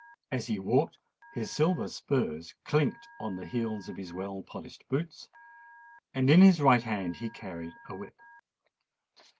As he walked, his silver spurs clinked on the heels of his well polished boots; and in his right hand he carried a whip.